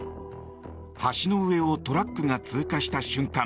橋の上をトラックが通過した瞬間。